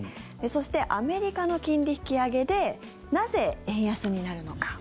そしてアメリカの金利引き上げでなぜ、円安になるのか。